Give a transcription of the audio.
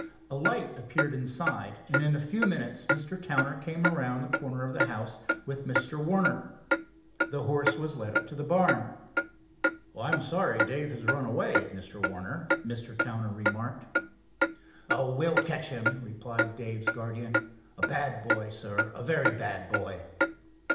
A light appeared inside, and in a few minutes Mr. Towner came around the corner of the house with Mr. Warner. The horse was led up to the barn. "I'm sorry Dave has run away, Mr. Warner," Mr. Towner remarked. "Oh, we'll catch him," replied Dave's guardian. "A bad boy, sir, a very bad boy."